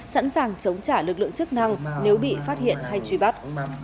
sẵn sàng chống trả lực lượng chức năng nếu bị phát hiện hay truy bắt